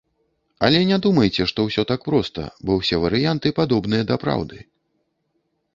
Але не думайце, што ўсё так проста, бо ўсе варыянты падобныя да праўды.